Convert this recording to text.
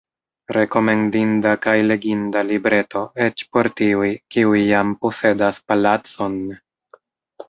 Rekomendinda kaj leginda libreto, eĉ por tiuj, kiuj jam posedas palacon!